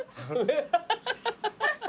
ハハハハ！